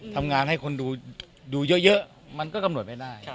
ทำงานให้คนดูเยอะมันก็กำหนดไม่ได้